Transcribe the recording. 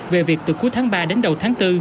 về việc từ cuối tháng ba đến đầu tháng bốn